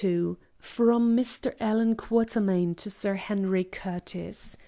From Mr. Allan Quatermain to Sir Henry Curtis.